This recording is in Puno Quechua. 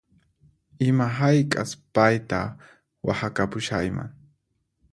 Ima hayk'as payta waqhakapushayman